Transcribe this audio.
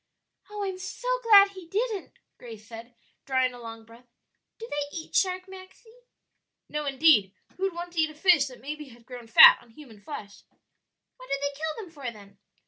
"Oh, I'm so glad he didn't!" Grace said, drawing a long breath. "Do they eat sharks, Maxie?" "No, indeed; who'd want to eat a fish that maybe had grown fat on human flesh?" "What do they kill them for, then?"